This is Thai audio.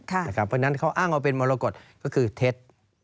เพราะฉะนั้นเขาอ้างว่าเป็นมรกฏก็คือเท็จ